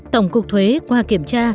tổng cục thuế qua kiểm tra